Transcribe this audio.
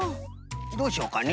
どうしようかね。